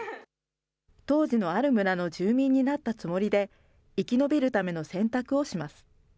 当時のある村の住民になったつもりで、生き延びるための選択をします。